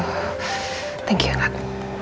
oh thank you enggak